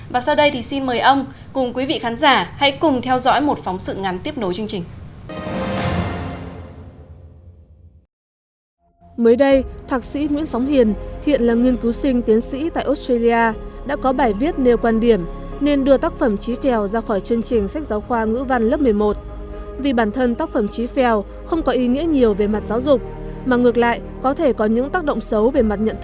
và sau đây thì xin mời ông cùng quý vị khán giả hãy cùng theo dõi một phóng sự ngắn tiếp nối chương trình